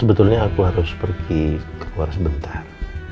sebetulnya aku harus pergi keluar sebentar